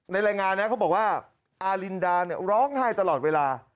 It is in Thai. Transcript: รายงานนะเขาบอกว่าอารินดาร้องไห้ตลอดเวลา